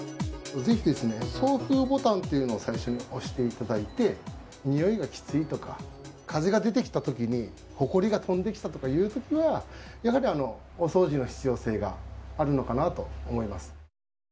送風ボタンを最初に押していただいてにおいがきついとか風が出てきた時にほこりが飛んできた時はやはりお掃除の必要性があるのかなと思います。